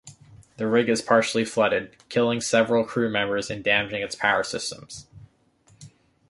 The rig is partially flooded, killing several crew members and damaging its power systems.